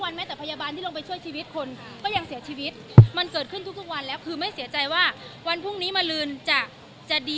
แล้วของพ่อแกก็เอาไปใส่